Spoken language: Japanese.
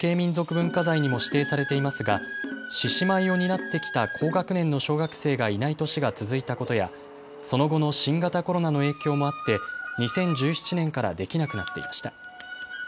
文化財にも指定されていますが獅子舞を担ってきた高学年の小学生がいない年が続いたことやその後の新型コロナの影響もあって２０１７年からできなくなっていました。